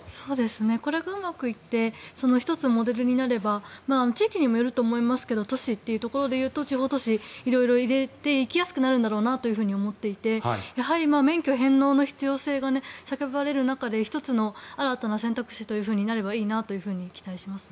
これがうまくいって１つ、モデルになれば地域にもよると思いますが都市というところで言うと地方都市色々入れていきやすくなるんだろうなと思っていてやはり、免許返納の必要性が叫ばれる中で１つの新たな選択肢となればいいなと期待します。